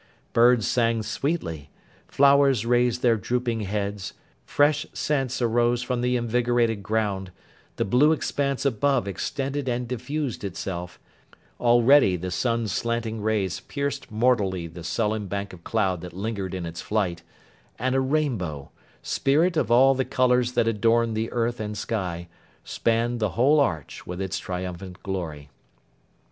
Birds sang sweetly, flowers raised their drooping heads, fresh scents arose from the invigorated ground; the blue expanse above extended and diffused itself; already the sun's slanting rays pierced mortally the sullen bank of cloud that lingered in its flight; and a rainbow, spirit of all the colours that adorned the earth and sky, spanned the whole arch with its triumphant glory.